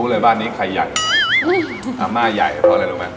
รู้เลยบ้านนี้ใครอยากอามาใหญ่เพราะอะไรรู้มั้ย